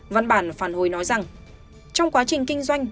văn bản phản hồi nói rằng trong quá trình kinh doanh